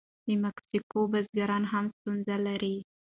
د مکسیکو بزګران هم ستونزې لري.